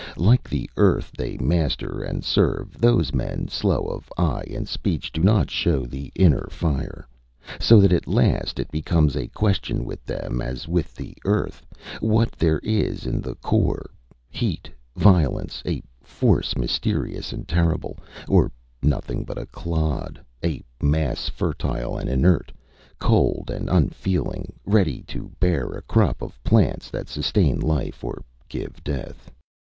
Like the earth they master and serve, those men, slow of eye and speech, do not show the inner fire; so that, at last, it becomes a question with them as with the earth, what there is in the core: heat, violence, a force mysterious and terrible or nothing but a clod, a mass fertile and inert, cold and unfeeling, ready to bear a crop of plants that sustain life or give death.